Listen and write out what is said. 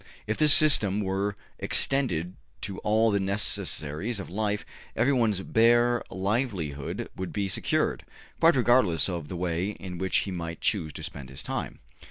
If this system were extended to all the necessaries of life, everyone's bare livelihood would be secured, quite regardless of the way in which he might choose to spend his time.